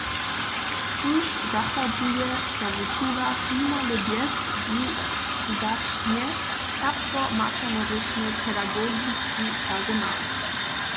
Tuž zasadźuje so w šulach nimale bjezwuwzaćnje serbsko-maćernorěčny pedagogiski personal.